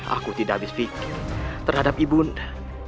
aku tidak habis pikir terhadap ibunda